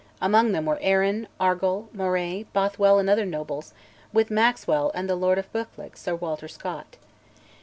Among them were Arran, Argyll, Moray, Bothwell, and other nobles, with Maxwell and the Laird of Buccleuch, Sir Walter Scott.